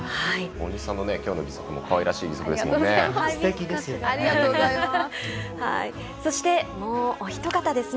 大西さんの今日の義足もかわいらしい義足ですね。